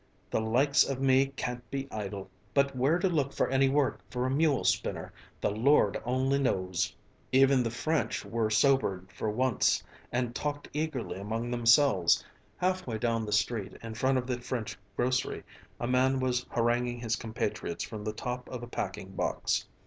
"The likes of me can't be idle. But where to look for any work for a mule spinner, the Lord only knows!" Even the French were sobered for once and talked eagerly among themselves. Halfway down the street, in front of the French grocery, a man was haranguing his compatriots from the top of a packing box.